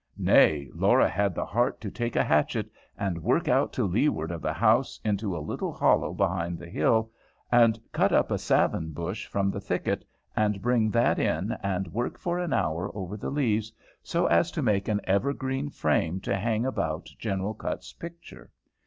Nay, Laura had the heart to take a hatchet, and work out to leeward of the house, into a little hollow behind the hill, and cut up a savin bush from the thicket, and bring that in, and work for an hour over the leaves so as to make an evergreen frame to hang about General Cutts's picture.